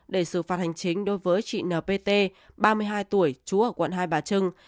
để xử phạt hành chính đối với chị npt ba mươi hai tuổi trú ở quận hai bà trưng